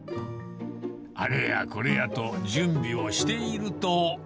あれやこれやと準備をしていると。